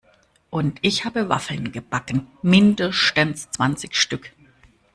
Und ich habe Waffeln gebacken, mindestens zwanzig Stück!